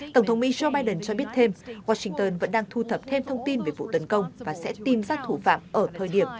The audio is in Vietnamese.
tổng thống mỹ joe biden cho biết thêm washington vẫn đang thu thập thêm thông tin về vụ tấn công và sẽ tìm ra thủ phạm ở thời điểm